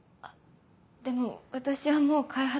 でも私はもう開発部には。